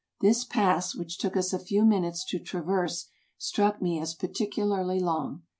This pass, which took us a few minutes to traverse, struck me as particularly long.